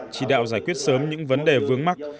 chỉ đạo giải quyết sớm những vấn đề vướng mắt